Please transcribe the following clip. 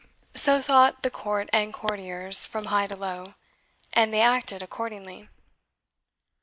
So thought the court and courtiers, from high to low; and they acted accordingly.